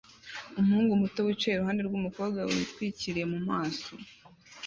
umuhungu muto wicaye iruhande rwumukobwa yitwikiriye mu maso